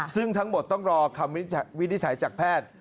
ซึ่งทั้งหมดต้องรอคำวินิจฉัยจากแพทย์